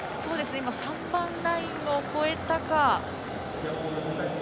今、３番ラインを越えたか。